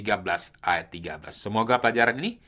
ayat tiga belas semoga pelajaran ini